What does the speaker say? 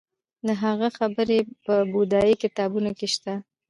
د هغه خبرې په بودايي کتابونو کې شته